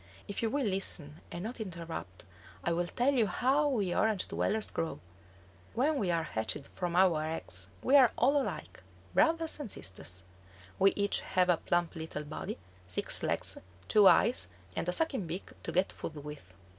If you will listen and not interrupt, I will tell you how we Orange dwellers grow. When we are hatched from our eggs we are all alike, brothers and sisters. We each have a plump little body, six legs, two eyes, and a sucking beak to get food with.